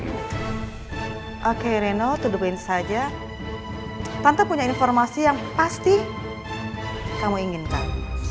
oke reno tutupin saja tanpa punya informasi yang pasti kamu inginkan